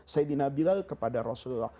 sayyidina bilal kepada rasulullah